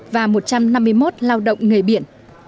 và một trăm năm mươi một lao động nghề biển